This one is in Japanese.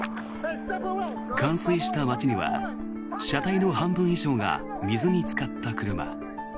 冠水した街には車体の半分以上が水につかった車。